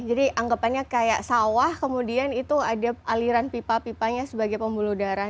jadi anggapannya kayak sawah kemudian itu ada aliran pipa pipanya sebagai pembuluh darah